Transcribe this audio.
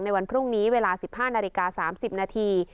วันพรุ่งนี้เวลา๑๕นาฬิกา๓๐นาที